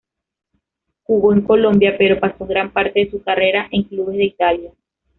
Jugó en Colombia, pero pasó gran parte de su carrera en clubes de Italia.